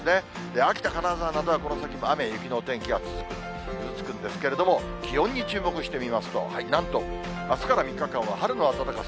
秋田、金沢などは、この先、雨や雪のお天気が続く、ぐずつくんですけれども、気温に注目して見てみますと、なんと、あすから３日間は春の暖かさ。